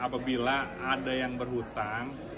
apabila ada yang berhutang